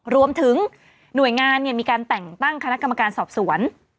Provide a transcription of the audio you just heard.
รวมถึงหน่วยงานมีการแต่งตั้งคณะกรรมการสอบสวน